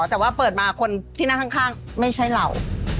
แต่ว่าเปิดมาคนที่นั่งข้างไม่ใช่เรา